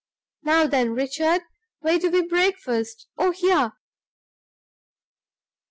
Now, then, Richard! where do we breakfast? Oh, here.